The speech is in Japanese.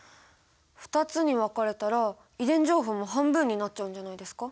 ２つに分かれたら遺伝情報も半分になっちゃうんじゃないですか？